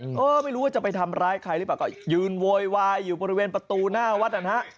เออไม่รู้ว่าจะไปทำร้ายใครหรือเปล่าก็ยืนโวยวายอยู่บริเวณประตูหน้าวัดนะฮะ